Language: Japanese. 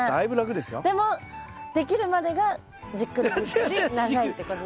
でもできるまでがじっくりじっくり長いってことですよね。